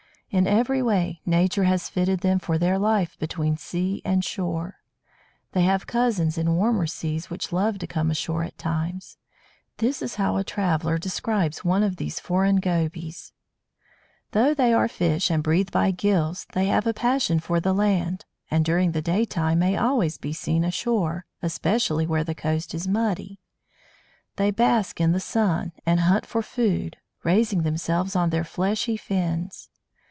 In every way Nature has fitted them for their life between sea and shore. They have cousins in warmer seas which love to come ashore at times. This is how a traveller describes one of these foreign Gobies: "Though they are fish, and breathe by gills, they have a passion for the land, and during the daytime may always be seen ashore, especially where the coast is muddy. They bask in the sun, and hunt for food, raising themselves on their fleshy fins....